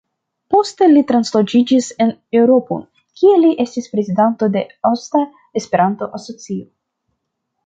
Poste li transloĝiĝis en Eŭropon, kie li estis prezidanto de “Aŭstra Esperanto-Asocio”.